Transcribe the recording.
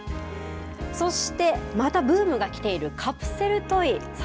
そして、またブームがきているカプセルトイ。